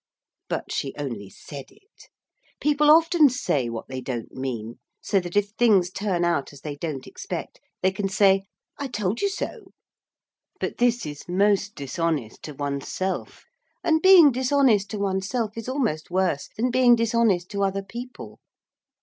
But she only said it. People often say what they don't mean, so that if things turn out as they don't expect, they can say 'I told you so,' but this is most dishonest to one's self, and being dishonest to one's self is almost worse than being dishonest to other people.